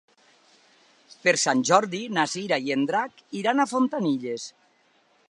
Per Sant Jordi na Cira i en Drac iran a Fontanilles.